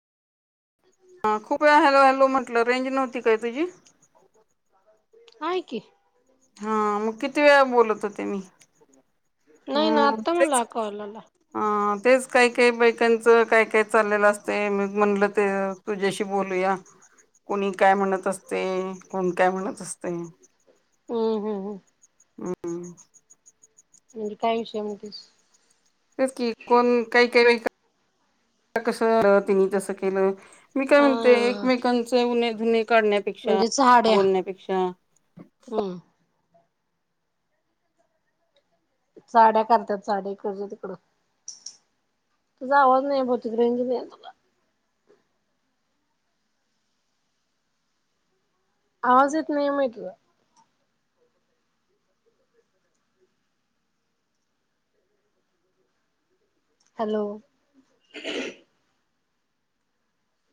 हा खूप वेळा हॅलो! हॅलो! म्हटलं रेंज नव्हती काय तुझी? हाय की हा मग किती वेळा बोलतं होते मी. नाही ना ह आता मला तेच हा कॉल आला. अ तेच काही काही बायकांचं काय काय चाललेलं असतय मगं म्हटलं ते. तुझ्याशी बोलूया कोणी काय म्हणत असते. कोण काय म्हणत असतय हम्म हम्म हम्म म्हणजे काय विषय म्हणतीस? तेच की कोण काय काय बायका कसं तिने तसं केलं मी काय हा म्हणते एकमेकांचे उने दुने काढण्यात म्हणजे [unintelligible] साड्या बोलण्यापेक्षा हम्म चाड्या करतात, चड्या इकडच्या तिकडं. तुझा आवाज नाही भौतिक, रेंज नाहीये. आवाज येत नाही म्हटलं. हॅलो?